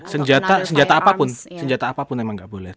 senjata senjata apapun senjata apapun emang nggak boleh